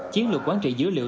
chiến lược quản trị dữ liệu